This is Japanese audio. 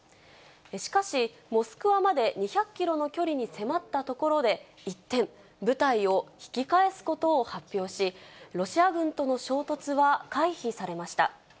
しかし、モスクワまで２００キロの距離に迫ったところで、一転、部隊を引き返すことを発表し、ロシア軍との衝突は回避されました。